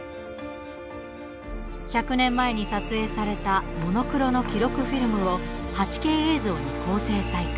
１００年前に撮影されたモノクロの記録フィルムを８Ｋ映像に高精細化。